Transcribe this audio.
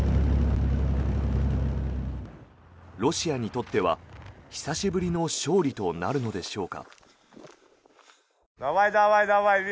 ロシアにとっては久しぶりの勝利となるのでしょうか。